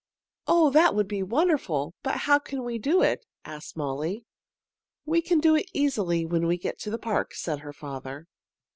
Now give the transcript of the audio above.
"Oh, that would be wonderful! But how can we do it?" asked Molly. "We can do it easily when we get to the park," said her father.